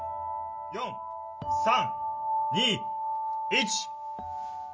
４３２１。